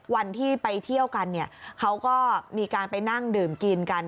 วันที่ไปเที่ยวกันเนี่ยเขาก็มีการไปนั่งดื่มกินกัน